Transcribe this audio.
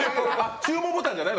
注文ボタンじゃないの？